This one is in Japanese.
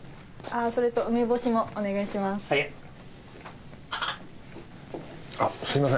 それと梅干しもお願いします。